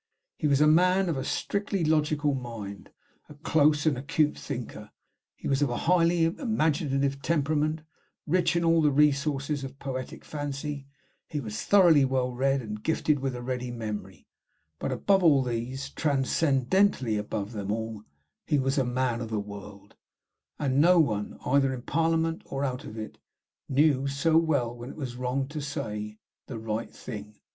He was a man of a strictly logical mind, a close and acute thinker; he was of a highly imaginative temperament, rich in all the resources of a poetic fancy; he was thoroughly well read, and gifted with a ready memory; but, above all these, transcendently above them all, he was a "man of the world;" and no one, either in Parliament or out of it, knew so well when it was wrong to say "the right thing."